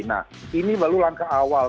nah ini baru langkah awal